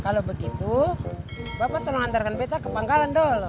kalau begitu bapak tolong antarkan beta ke pangkalan dong